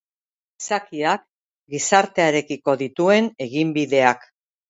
Gizakiak gizartearekiko dituen eginbideak.